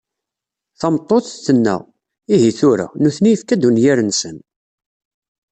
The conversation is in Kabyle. Tameṭṭut, tenna: “Ihi tura! Nutni yefka-d unyir-nsen."